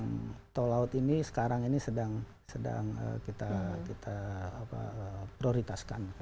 kebanyakan efektif yang tolout ini sekarang ini sedang kita prioritaskan